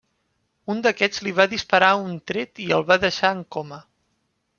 Un d'aquests li va disparar un tret i el va deixar en coma.